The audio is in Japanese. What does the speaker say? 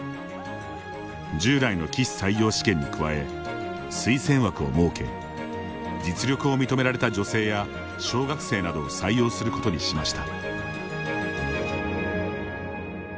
従来の棋士採用試験に加え推薦枠を設け、実力を認められた女性や小学生などを採用することにしました。